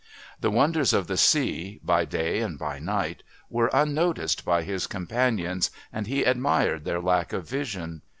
The wonders of the sea, by day and by night, were unnoticed by his companions, and he admired their lack of vision.